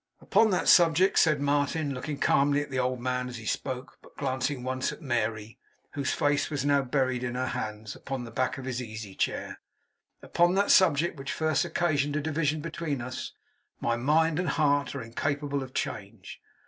'Upon that subject,' said Martin, looking calmly at the old man as he spoke, but glancing once at Mary, whose face was now buried in her hands, upon the back of his easy chair; 'upon that subject which first occasioned a division between us, my mind and heart are incapable of change.